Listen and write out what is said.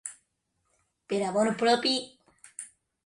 Per amor propi.